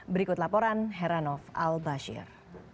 berikut laporan heranov al bashir